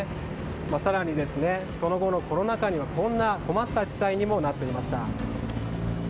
更にその後のコロナ禍にはこんな困った事態になっていました。